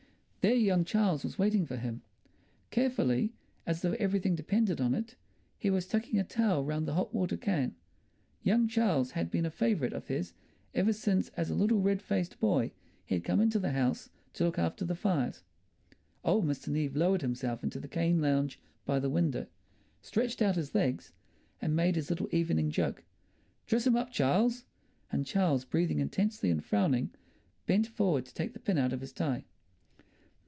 There young Charles was waiting for him. Carefully, as though everything depended on it, he was tucking a towel round the hot water can. Young Charles had been a favourite of his ever since as a little red faced boy he had come into the house to look after the fires. Old Mr. Neave lowered himself into the cane lounge by the window, stretched out his legs, and made his little evening joke, "Dress him up, Charles!" And Charles, breathing intensely and frowning, bent forward to take the pin out of his tie.